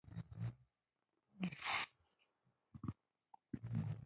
نه هوش لري نه دانش او نه نام و ننګ.